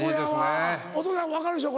お父さん分かるでしょ？